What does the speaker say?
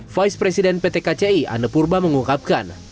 vice president pt kci anne purba mengungkapkan